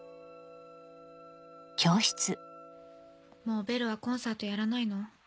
「もうベルはコンサートやらないの？」。